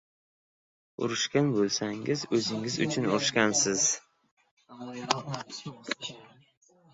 — Urushgan bo‘lsangiz, o‘zingiz uchun urushgansiz!